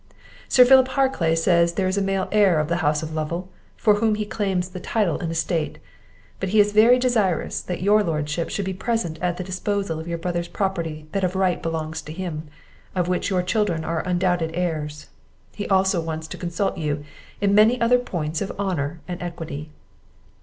Sir Philip Harclay says there is a male heir of the house of Lovel, for whom he claims the title and estate; but he is very desirous that your Lordship should be present at the disposal of your brother's property that of right belongs to him, of which your children are the undoubted heirs. He also wants to consult you in many other points of honour and equity.